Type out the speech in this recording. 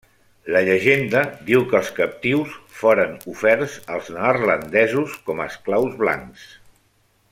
La llegenda diu que els captius foren oferts als neerlandesos com a esclaus blancs.